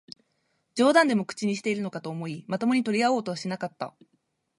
冗談でも口にしているのかと思い、まともに取り合おうとはしなかった